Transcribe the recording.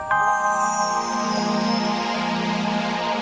tidak saya mau berhenti